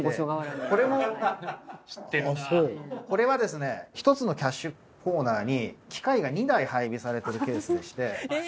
これはですね１つのキャッシュコーナーに機械が２台配備されてるケースでして。